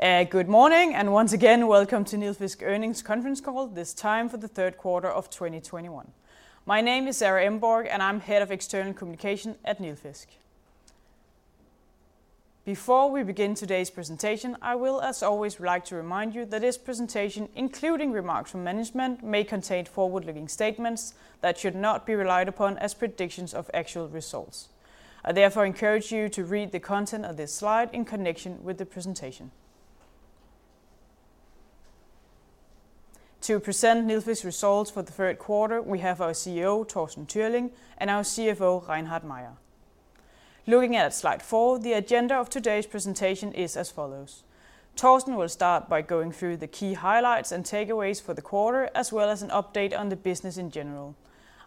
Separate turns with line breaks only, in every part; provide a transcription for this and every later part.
Good morning, and once again, welcome to Nilfisk Earnings Conference Call, this time for the third quarter of 2021. My name is Sara Emborg, and I'm Head of External Communication at Nilfisk. Before we begin today's presentation, I will, as always, like to remind you that this presentation, including remarks from management, may contain forward-looking statements that should not be relied upon as predictions of actual results. I therefore encourage you to read the content of this slide in connection with the presentation. To present Nilfisk results for the third quarter, we have our CEO, Torsten Türling, and our CFO, Reinhard Mayer. Looking at slide four, the agenda of today's presentation is as follows. Torsten will start by going through the key highlights and takeaways for the quarter, as well as an update on the business in general.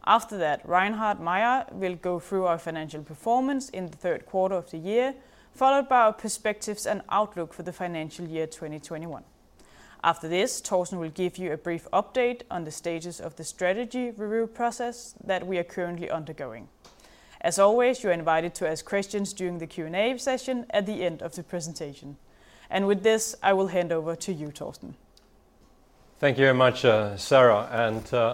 After that, Reinhard Mayer will go through our financial performance in the third quarter of the year, followed by our perspectives and outlook for the financial year 2021. After this, Torsten Türling will give you a brief update on the stages of the strategy review process that we are currently undergoing. As always, you are invited to ask questions during the Q&A session at the end of the presentation. With this, I will hand over to you, Torsten Türling.
Thank you very much, Sara.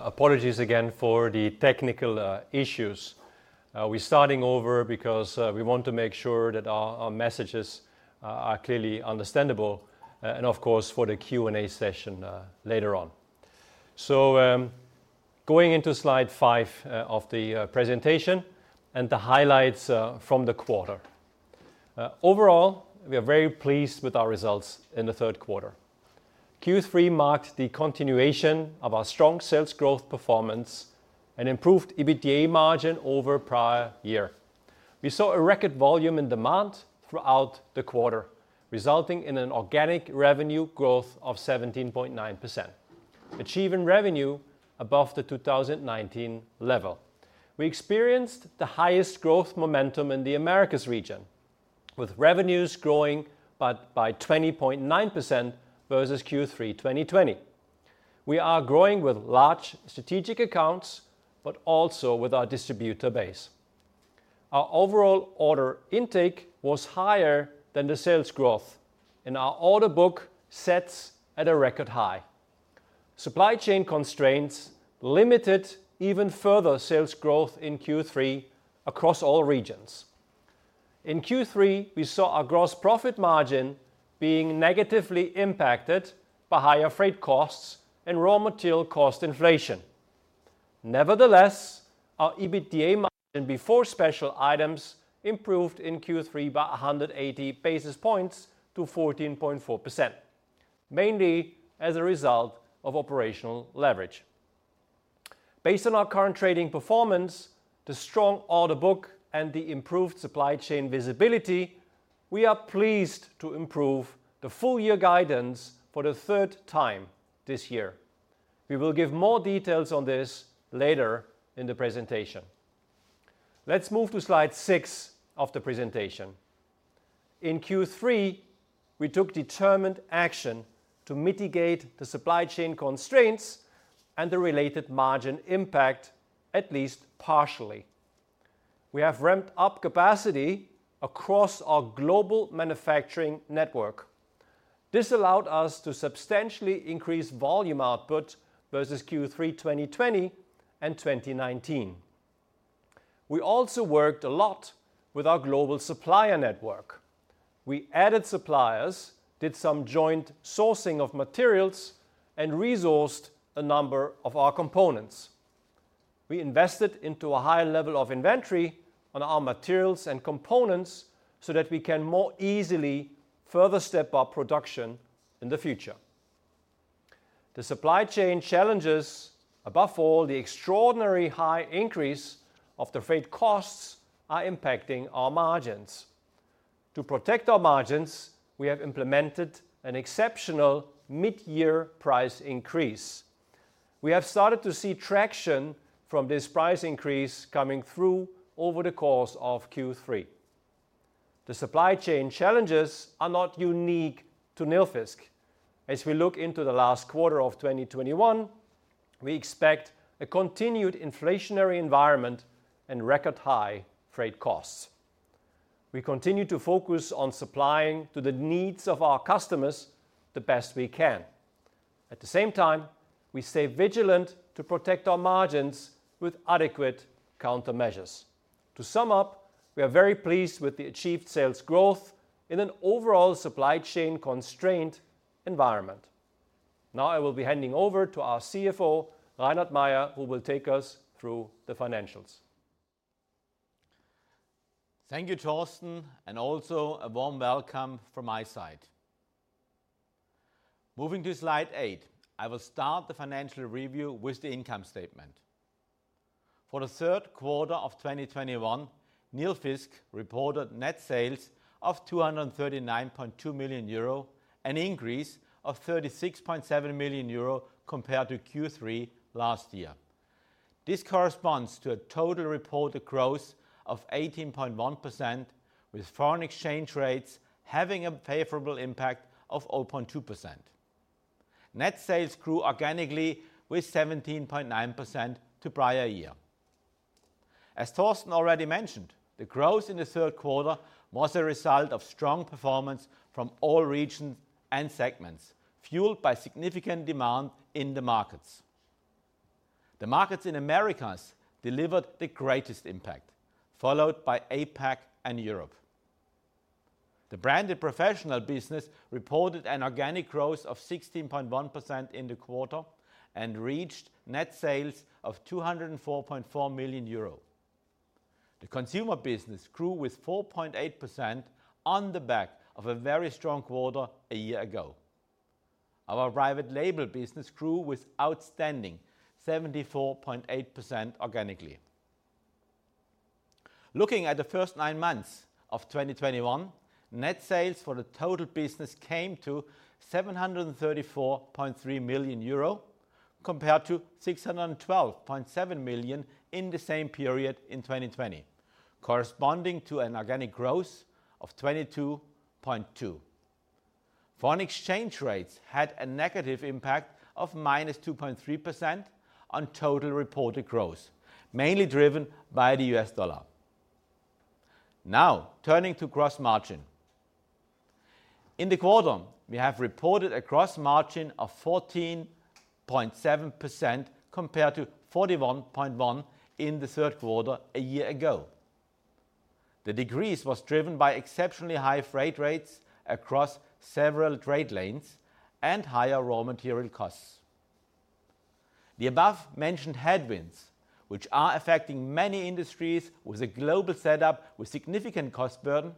Apologies again for the technical issues. We're starting over because we want to make sure that our messages are clearly understandable, and of course, for the Q&A session later on. Going into slide five of the presentation and the highlights from the quarter. Overall, we are very pleased with our results in the third quarter. Q3 marked the continuation of our strong sales growth performance and improved EBITDA margin over prior year. We saw a record volume and demand throughout the quarter, resulting in an organic revenue growth of 17.9%, achieving revenue above the 2019 level. We experienced the highest growth momentum in the Americas region, with revenues growing by 20.9% versus Q3 2020. We are growing with large strategic accounts but also with our distributor base. Our overall order intake was higher than the sales growth, and our order book sits at a record high. Supply chain constraints limited even further sales growth in Q3 across all regions. In Q3, we saw our gross profit margin being negatively impacted by higher freight costs and raw material cost inflation. Nevertheless, our EBITDA margin before special items improved in Q3 by 180 basis points to 14.4%, mainly as a result of operational leverage. Based on our current trading performance, the strong order book, and the improved supply chain visibility, we are pleased to improve the full-year guidance for the third time this year. We will give more details on this later in the presentation. Let's move to slide six of the presentation. In Q3, we took determined action to mitigate the supply chain constraints and the related margin impact at least partially. We have ramped up capacity across our global manufacturing network. This allowed us to substantially increase volume output versus Q3, 2020 and 2019. We also worked a lot with our global supplier network. We added suppliers, did some joint sourcing of materials, and resourced a number of our components. We invested into a higher level of inventory on our materials and components so that we can more easily further step up production in the future. The supply chain challenges, above all, the extraordinary high increase of the freight costs, are impacting our margins. To protect our margins, we have implemented an exceptional mid-year price increase. We have started to see traction from this price increase coming through over the course of Q3. The supply chain challenges are not unique to Nilfisk. As we look into the last quarter of 2021, we expect a continued inflationary environment and record-high freight costs. We continue to focus on supplying to the needs of our customers the best we can. At the same time, we stay vigilant to protect our margins with adequate countermeasures. To sum up, we are very pleased with the achieved sales growth in an overall supply chain constrained environment. Now I will be handing over to our CFO, Reinhard Mayer, who will take us through the financials.
Thank you, Torsten, and also a warm welcome from my side. Moving to slide eight, I will start the financial review with the income statement. For the third quarter of 2021, Nilfisk reported net sales of 239.2 million euro, an increase of 36.7 million euro compared to Q3 last year. This corresponds to a total reported growth of 18.1%, with foreign exchange rates having a favorable impact of 0.2%. Net sales grew organically with 17.9% to prior year. As Torsten already mentioned, the growth in the third quarter was a result of strong performance from all regions and segments, fueled by significant demand in the markets. The markets in Americas delivered the greatest impact, followed by APAC and Europe. The branded professional business reported an organic growth of 16.1% in the quarter and reached net sales of 204.4 million euro. The consumer business grew with 4.8% on the back of a very strong quarter a year ago. Our private label business grew with outstanding 74.8% organically. Looking at the first 9 months of 2021, net sales for the total business came to 734.3 million euro compared to 612.7 million in the same period in 2020, corresponding to an organic growth of 22.2%. Foreign exchange rates had a negative impact of -2.3% on total reported growth, mainly driven by the US dollar. Now turning to gross margin. In the quarter, we have reported a gross margin of 14.7% compared to 41.1% in the third quarter a year ago. The decrease was driven by exceptionally high freight rates across several trade lanes and higher raw material costs. The above-mentioned headwinds, which are affecting many industries with a global setup with significant cost burden,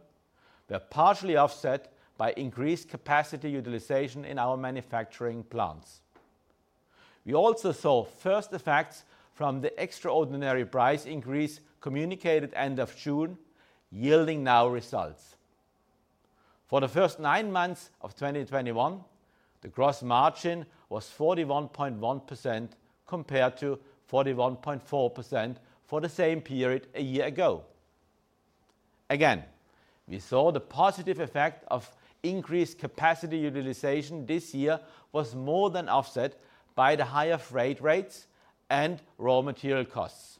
were partially offset by increased capacity utilization in our manufacturing plants. We also saw first effects from the extraordinary price increase communicated end of June, yielding now results. For the first nine months of 2021, the gross margin was 41.1% compared to 41.4% for the same period a year ago. Again, we saw the positive effect of increased capacity utilization this year was more than offset by the higher freight rates and raw material costs.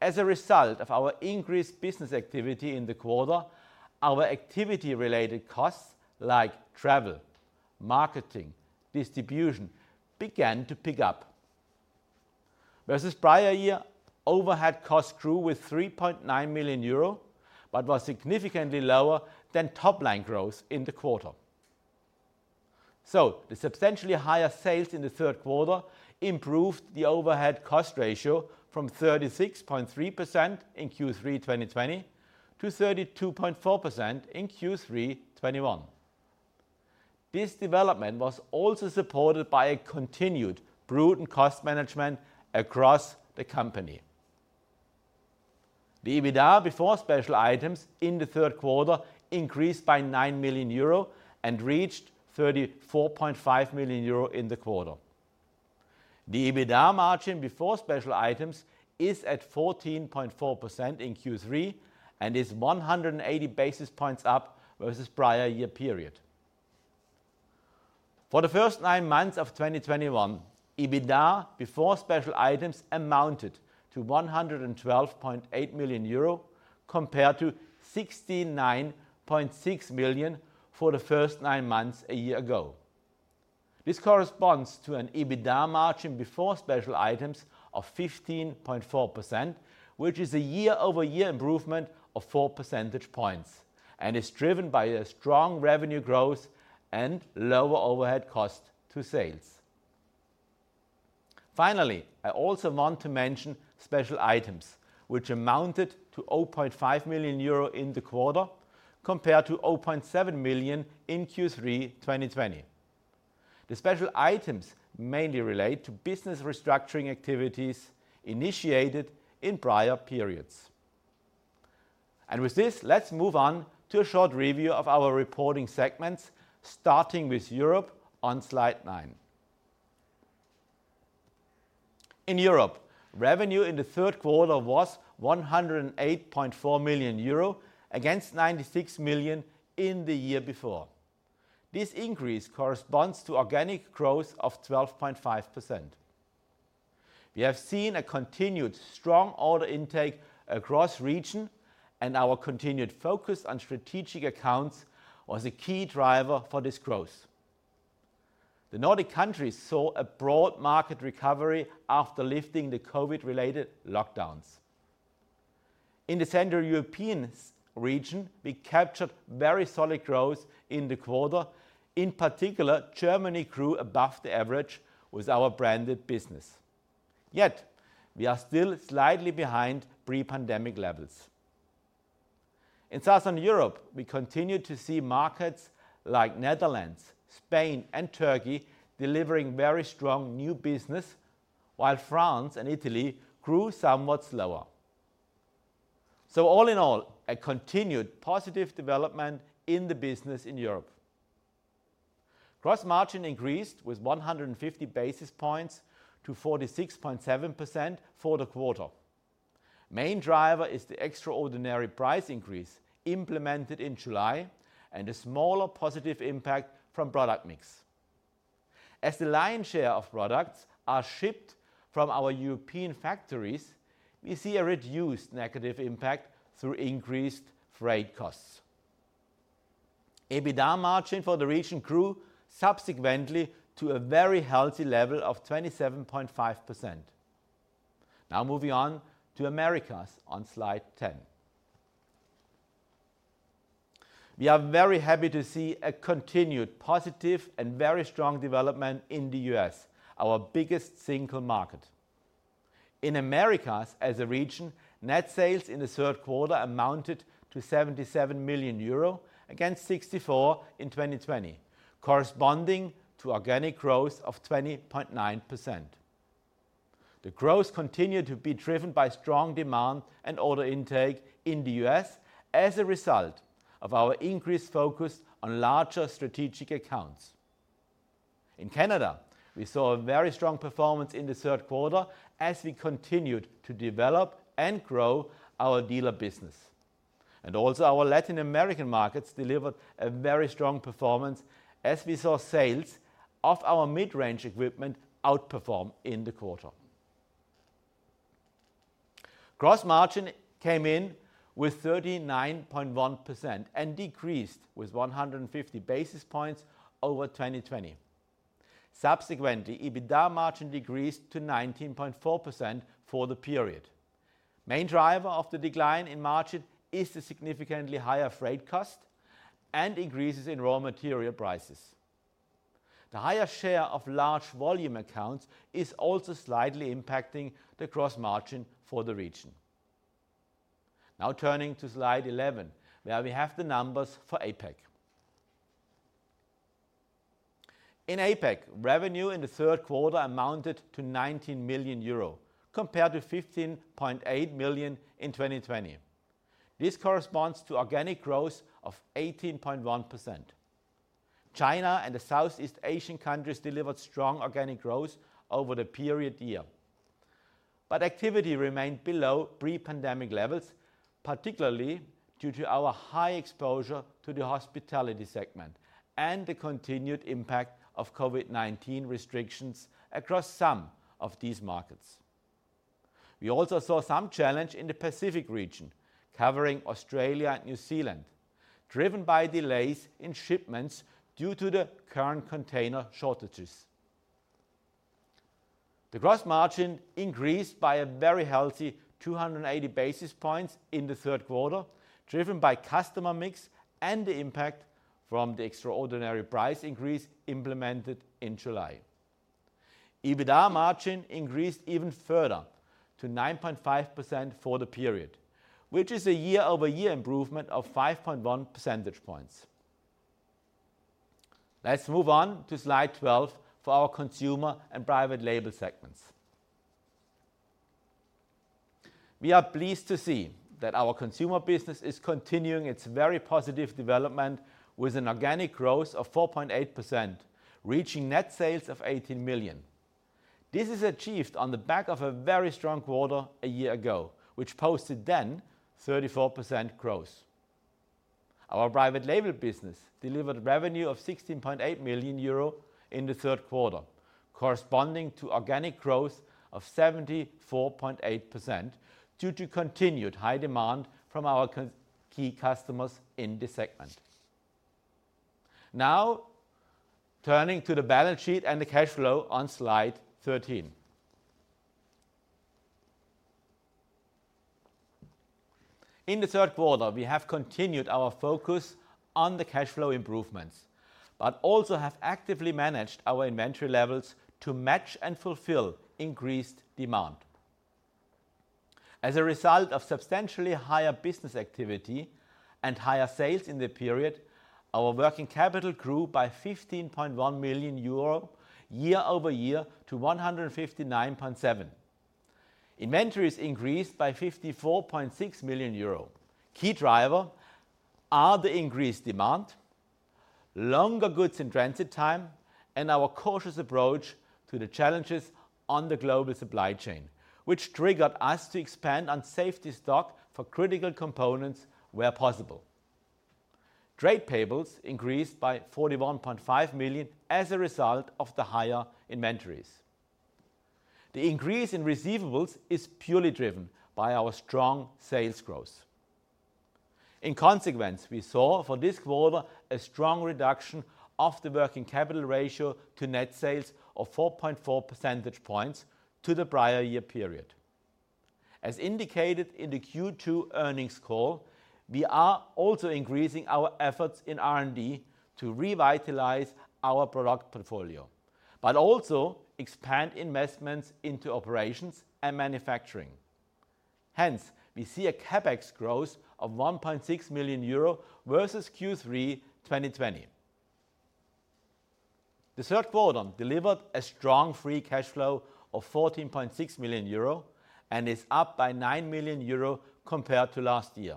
As a result of our increased business activity in the quarter, our activity-related costs like travel, marketing, distribution began to pick up. Versus prior year, overhead costs grew with 3.9 million euro, but was significantly lower than top line growth in the quarter. The substantially higher sales in the third quarter improved the overhead cost ratio from 36.3% in Q3 2020 to 32.4% in Q3 2021. This development was also supported by a continued prudent cost management across the company. The EBITDA before special items in the third quarter increased by 9 million euro and reached 34.5 million euro in the quarter. The EBITDA margin before special items is at 14.4% in Q3 and is 180 basis points up versus prior year period. For the first nine months of 2021, EBITDA before special items amounted to 112.8 million euro compared to 69.6 million for the first nine months a year ago. This corresponds to an EBITDA margin before special items of 15.4%, which is a year-over-year improvement of four percentage points and is driven by a strong revenue growth and lower overhead cost to sales. Finally, I also want to mention special items, which amounted to 0.5 million euro in the quarter compared to 0.7 million in Q3 2020. The special items mainly relate to business restructuring activities initiated in prior periods. With this, let's move on to a short review of our reporting segments, starting with Europe on slide nine. In Europe, revenue in the third quarter was 108.4 million euro against 96 million in the year before. This increase corresponds to organic growth of 12.5%. We have seen a continued strong order intake across region, and our continued focus on strategic accounts was a key driver for this growth. The Nordic countries saw a broad market recovery after lifting the COVID-related lockdowns. In the Central European region, we captured very solid growth in the quarter. In particular, Germany grew above the average with our branded business. Yet, we are still slightly behind pre-pandemic levels. In Southern Europe, we continued to see markets like Netherlands, Spain, and Turkey delivering very strong new business, while France and Italy grew somewhat slower. All in all, a continued positive development in the business in Europe. Gross margin increased with 150 basis points to 46.7% for the quarter. Main driver is the extraordinary price increase implemented in July and a smaller positive impact from product mix. As the lion's share of products are shipped from our European factories, we see a reduced negative impact through increased freight costs. EBITDA margin for the region grew subsequently to a very healthy level of 27.5%. Now moving on to Americas on slide 10. We are very happy to see a continued positive and very strong development in the U.S., our biggest single market. In Americas as a region, net sales in the third quarter amounted to 77 million euro, against 64 million in 2020, corresponding to organic growth of 20.9%. The growth continued to be driven by strong demand and order intake in the U.S. as a result of our increased focus on larger strategic accounts. In Canada, we saw a very strong performance in the third quarter as we continued to develop and grow our dealer business. Also our Latin American markets delivered a very strong performance as we saw sales of our mid-range equipment outperform in the quarter. Gross margin came in with 39.1% and decreased with 150 basis points over 2020. Subsequently, EBITDA margin decreased to 19.4% for the period. Main driver of the decline in margin is the significantly higher freight cost and increases in raw material prices. The higher share of large volume accounts is also slightly impacting the gross margin for the region. Now turning to slide 11, where we have the numbers for APAC. In APAC, revenue in the third quarter amounted to 19 million euro, compared to 15.8 million in 2020. This corresponds to organic growth of 18.1%. China and the Southeast Asian countries delivered strong organic growth over the prior year. Activity remained below pre-pandemic levels, particularly due to our high exposure to the hospitality segment and the continued impact of COVID-19 restrictions across some of these markets. We also saw some challenge in the Pacific region, covering Australia and New Zealand, driven by delays in shipments due to the current container shortages. The gross margin increased by a very healthy 280 basis points in the third quarter, driven by customer mix and the impact from the extraordinary price increase implemented in July. EBITDA margin increased even further to 9.5% for the period, which is a year-over-year improvement of 5.1 percentage points. Let's move on to slide 12 for our consumer and private label segments. We are pleased to see that our consumer business is continuing its very positive development with an organic growth of 4.8%, reaching net sales of 18 million. This is achieved on the back of a very strong quarter a year ago, which posted then 34% growth. Our private label business delivered revenue of 16.8 million euro in the third quarter, corresponding to organic growth of 74.8% due to continued high demand from our key customers in the segment. Now turning to the balance sheet and the cash flow on slide 13. In the third quarter, we have continued our focus on the cash flow improvements, but also have actively managed our inventory levels to match and fulfill increased demand. As a result of substantially higher business activity and higher sales in the period, our working capital grew by 15.1 million euro year-over-year to 159.7 million. Inventories increased by 54.6 million euro. Key drivers are the increased demand, longer goods in transit time, and our cautious approach to the challenges on the global supply chain, which triggered us to expand on safety stock for critical components where possible. Trade payables increased by 41.5 million as a result of the higher inventories. The increase in receivables is purely driven by our strong sales growth. In consequence, we saw for this quarter a strong reduction of the working capital ratio to net sales of 4.4 percentage points to the prior year period. As indicated in the Q2 earnings call, we are also increasing our efforts in R&D to revitalize our product portfolio, but also expand investments into operations and manufacturing. Hence, we see a CapEx growth of 1.6 million euro versus Q3 2020. The third quarter delivered a strong free cash flow of 14.6 million euro and is up by 9 million euro compared to last year.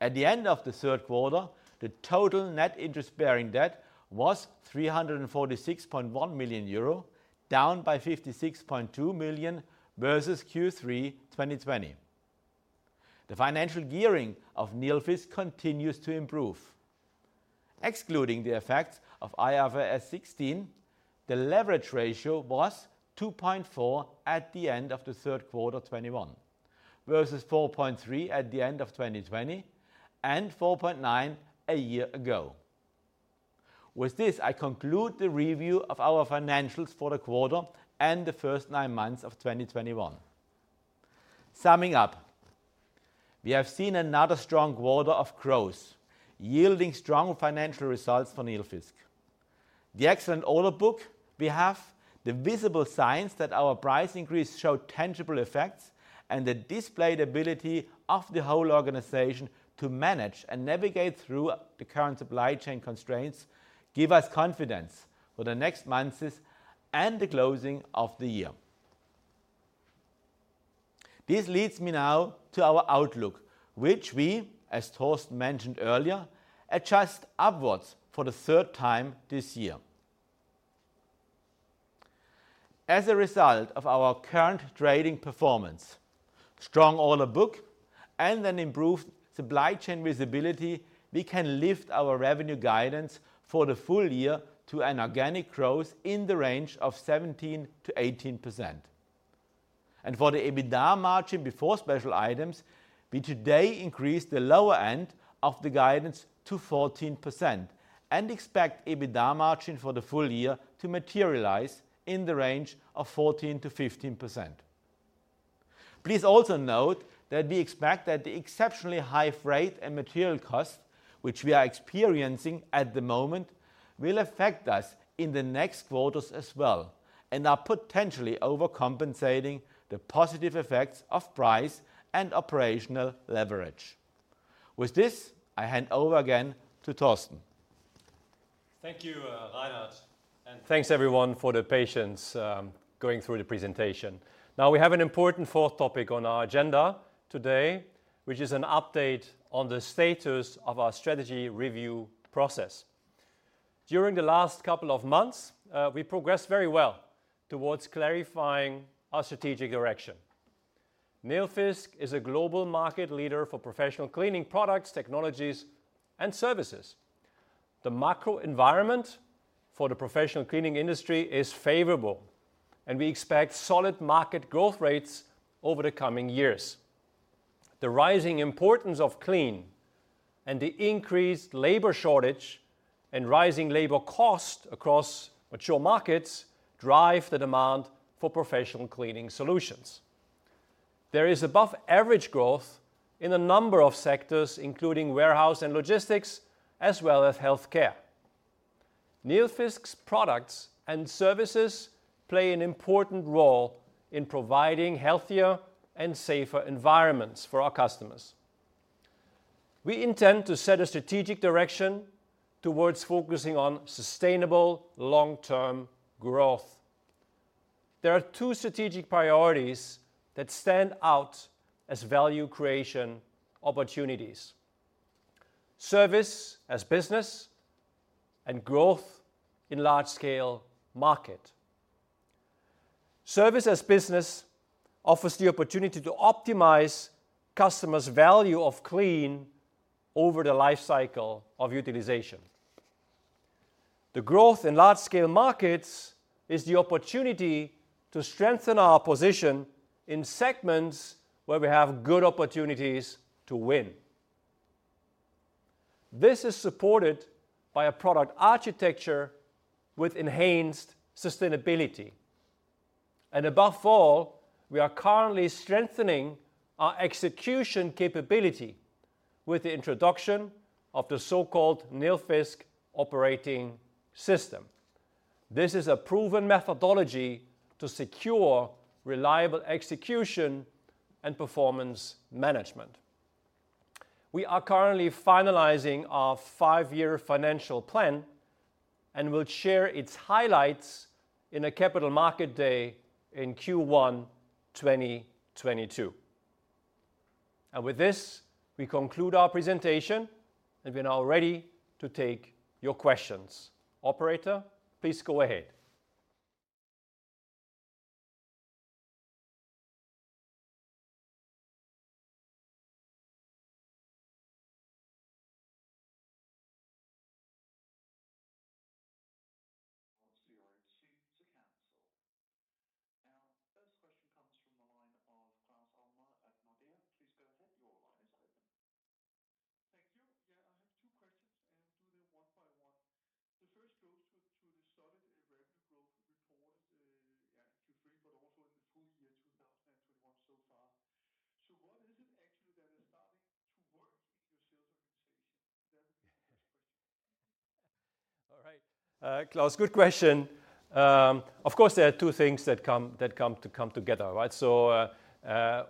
At the end of the third quarter, the total net interest-bearing debt was 346.1 million euro, down by 56.2 million versus Q3 2020. The financial gearing of Nilfisk continues to improve. Excluding the effects of IFRS 16, the leverage ratio was 2.4% at the end of the third quarter 2021, versus 4.3% at the end of 2020, and 4.9% a year ago. With this, I conclude the review of our financials for the quarter and the first nine months of 2021. Summing up, we have seen another strong quarter of growth, yielding strong financial results for Nilfisk. The excellent order book we have, the visible signs that our price increase showed tangible effects, and the displayed ability of the whole organization to manage and navigate through the current supply chain constraints, give us confidence for the next months and the closing of the year. This leads me now to our outlook, which we, as Torsten mentioned earlier, adjust upwards for the third time this year. As a result of our current trading performance, strong order book, and an improved supply chain visibility, we can lift our revenue guidance for the full year to an organic growth in the range of 17%-18%. For the EBITDA margin before special items, we today increase the lower end of the guidance to 14% and expect EBITDA margin for the full year to materialize in the range of 14%-15%. Please also note that we expect that the exceptionally high freight and material costs, which we are experiencing at the moment, will affect us in the next quarters as well and are potentially overcompensating the positive effects of price and operational leverage. With this, I hand over again to Torsten.
Thank you, Reinhard, and thanks everyone for the patience, going through the presentation. Now, we have an important fourth topic on our agenda today, which is an update on the status of our strategy review process. During the last couple of months, we progressed very well towards clarifying our strategic direction. Nilfisk is a global market leader for professional cleaning products, technologies, and services. The macro environment for the professional cleaning industry is favorable, and we expect solid market growth rates over the coming years. The rising importance of clean and the increased labor shortage and rising labor cost across mature markets drive the demand for professional cleaning solutions. There is above average growth in a number of sectors, including warehouse and logistics, as well as healthcare. Nilfisk's products and services play an important role in providing healthier and safer environments for our customers. We intend to set a strategic direction towards focusing on sustainable long-term growth. There are two strategic priorities that stand out as value creation opportunities: service as business and growth in large scale market. Service as business offers the opportunity to optimize customers' value of clean over the life cycle of utilization. The growth in large scale markets is the opportunity to strengthen our position in segments where we have good opportunities to win. This is supported by a product architecture with enhanced sustainability. Above all, we are currently strengthening our execution capability with the introduction of the so-called Nilfisk Operating System. This is a proven methodology to secure reliable execution and performance management. We are currently finalizing our 5-year financial plan and will share its highlights in a Capital Markets Day in Q1 2022. With this, we conclude our presentation, and we are now ready to take your questions. Operator, please go ahead.
Our first question comes from the line of Claus Almer at Nordea. Please go ahead. Your line is open.
Thank you. Yeah. I have two questions, and do them one by one. The first goes to the solid revenue growth reported Q3, but also in the full year 2021 so far. What is it actually that is starting to work in your sales organization? The next question.
All right, Claus, good question. Of course, there are two things that come together, right?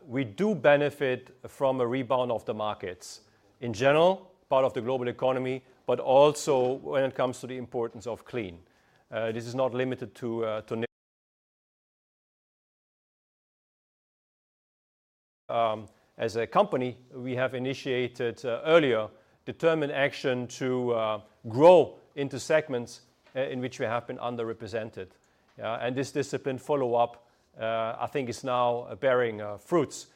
We do benefit from a rebound of the markets in general, part of the global economy, but also when it comes to the importance of clean. This is not limited to Nilfisk. As a company, we have initiated earlier determined action to grow into segments in which we have been underrepresented. This disciplined follow-up, I think it's now bearing fruits.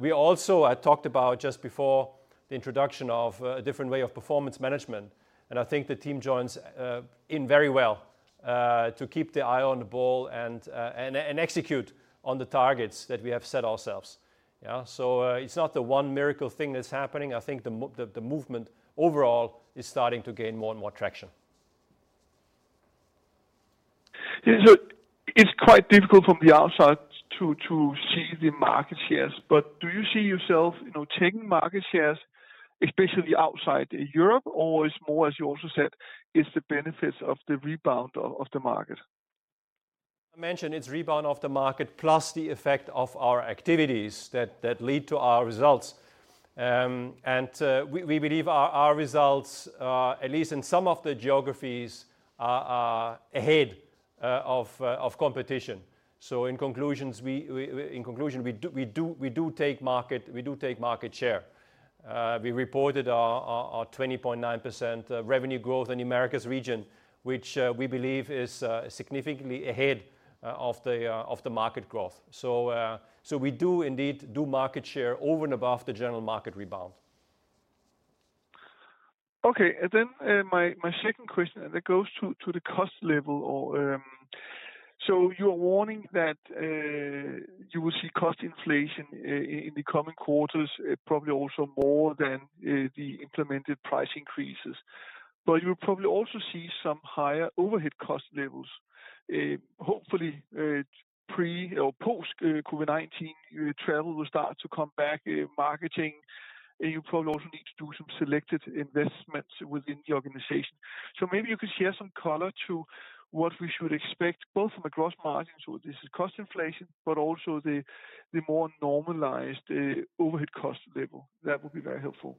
We also talked about just before the introduction of a different way of performance management, and I think the team joins in very well to keep their eye on the ball and execute on the targets that we have set ourselves. Yeah. It's not the one miracle thing that's happening. I think the movement overall is starting to gain more and more traction.
Yeah. It's quite difficult from the outside to see the market shares. But do you see yourself, you know, taking market shares, especially outside Europe? Or it's more, as you also said, it's the benefits of the rebound of the market?
I mentioned it's rebound of the market plus the effect of our activities that lead to our results. We believe our results at least in some of the geographies are ahead of competition. In conclusion, we do take market share. We reported our 20.9% revenue growth in Americas region, which we believe is significantly ahead of the market growth. We do indeed gain market share over and above the general market rebound.
Okay. My second question goes to the cost level or. You're warning that you will see cost inflation in the coming quarters, probably also more than the implemented price increases. You'll probably also see some higher overhead cost levels. Hopefully, pre or post COVID-19, travel will start to come back, marketing. You probably also need to do some selected investments within the organization. Maybe you could share some color to what we should expect, both from a gross margin, so this is cost inflation, but also the more normalized overhead cost level. That would be very helpful.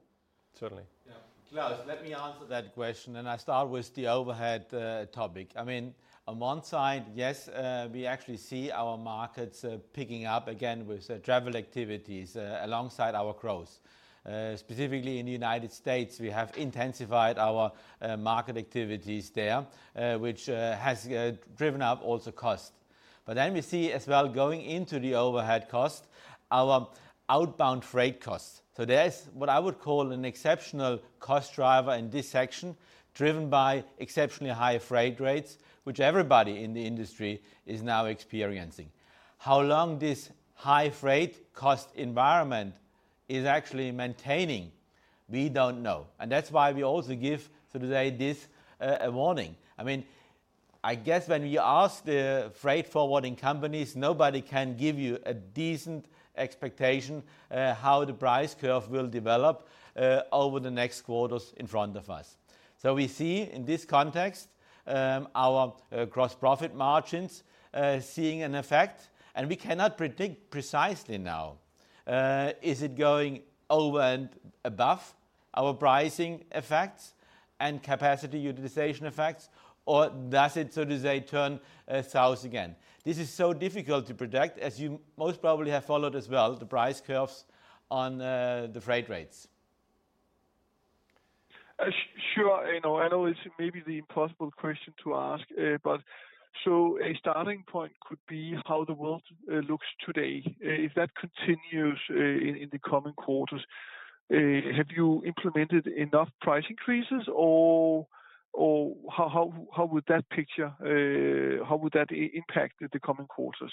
Certainly. Yeah. Claus, let me answer that question, and I start with the overhead topic. I mean, on one side, yes, we actually see our markets picking up again with travel activities alongside our growth. Specifically in the United States, we have intensified our market activities there, which has driven up also cost. But then we see as well going into the overhead cost, our outbound freight costs. So that's what I would call an exceptional cost driver in this section, driven by exceptionally high freight rates, which everybody in the industry is now experiencing. How long this high freight cost environment is actually maintaining, we don't know. That's why we also give, so to say, this a warning. I mean, I guess when you ask the freight forwarding companies, nobody can give you a decent expectation, how the price curve will develop, over the next quarters in front of us. We see in this context, our gross profit margins seeing an effect, and we cannot predict precisely now. Is it going over and above our pricing effects and capacity utilization effects, or does it, so to say, turn south again? This is so difficult to predict, as you most probably have followed as well, the price curves on the freight rates.
Sure. I know it's maybe the impossible question to ask. A starting point could be how the world looks today. If that continues in the coming quarters, have you implemented enough price increases, or how would that picture impact the coming quarters?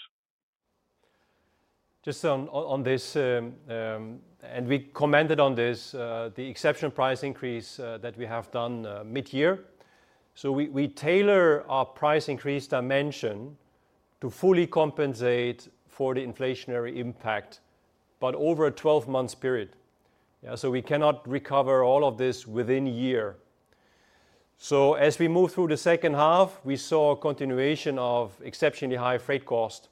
Just on this, we commented on the exceptional price increase that we have done mid-year. We tailor our price increase dimension to fully compensate for the inflationary impact, but over a twelve-month period. We cannot recover all of this within year. As we move through the second half, we saw a continuation of exceptionally high freight cost,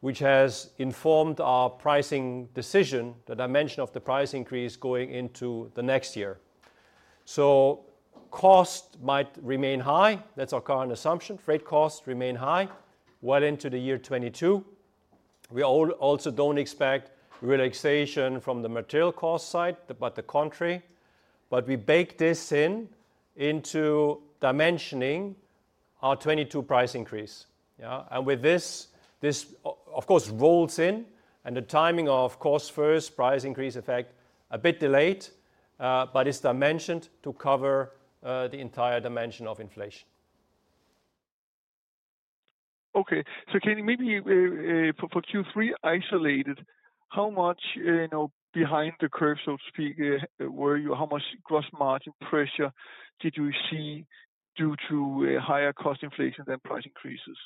which has informed our pricing decision, the dimension of the price increase going into the next year. Cost might remain high. That's our current assumption. Freight costs remain high well into the year 2022. We also don't expect relaxation from the material cost side, but the contrary. We bake this into dimensioning our 2022 price increase. With this, of course, rolls in, and the timing, of course, first price increase effect a bit delayed, but it's dimensioned to cover the entire dimension of inflation.
Okay. Can you maybe, for Q3 isolated, how much, you know, behind the curve, so to speak, were you? How much gross margin pressure did you see due to a higher cost inflation than price increases?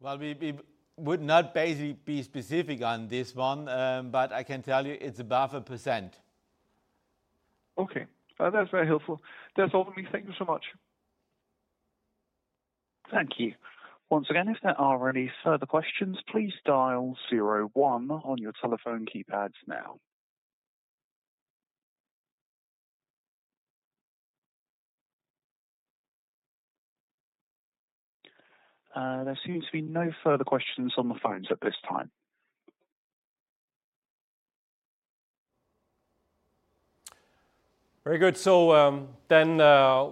Well, we would not basically be specific on this one, but I can tell you it's above 1%.
Okay. That's very helpful. That's all for me. Thank you so much.
Thank you. Once again, if there are any further questions, please dial zero one on your telephone keypads now. There seems to be no further questions on the phones at this time.
Very good.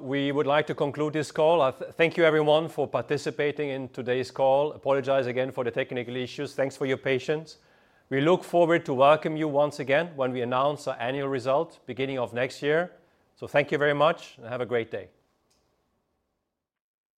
We would like to conclude this call. Thank you everyone for participating in today's call. We apologize again for the technical issues. Thanks for your patience. We look forward to welcome you once again when we announce our annual result beginning of next year. Thank you very much, and have a great day.